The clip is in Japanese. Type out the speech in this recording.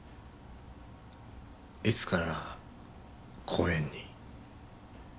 いつから公園に？